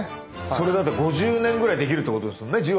それだと５０年ぐらいできるってことですよね。